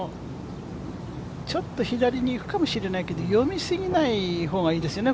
ちょっと左にいくかもしれないけど、読みすぎない方がいいですよね。